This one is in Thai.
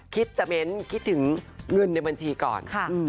คิดจะเม้นคิดถึงเงินในบัญชีก่อน